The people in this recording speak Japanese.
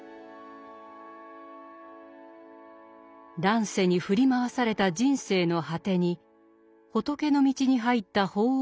乱世に振り回された人生の果てに仏の道に入った法皇の言葉。